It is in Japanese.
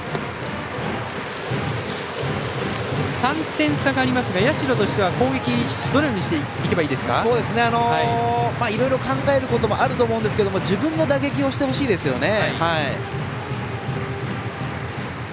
３点差がありますが社としては攻撃いろいろ考えることはあると思うんですけど自分の打撃をしてほしいですよね。